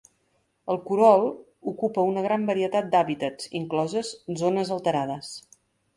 El curol ocupa una gran varietat d'hàbitats, incloses zones alterades.